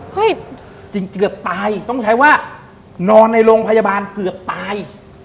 จริงเกือบตายต้องใช้ว่านอนในโรงพยาบาลเกือบตาย